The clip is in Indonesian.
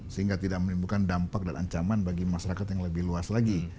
sehingga tidak menimbulkan dampak dan ancaman bagi masyarakat yang lebih luas lagi